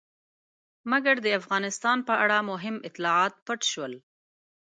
مګر د افغانستان په اړه مهم اطلاعات پټ شول.